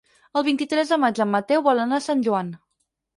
El vint-i-tres de maig en Mateu vol anar a Sant Joan.